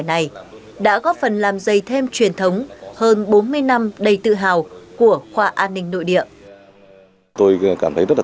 vậy đứng sau cái gọi là tổ chức rise là gì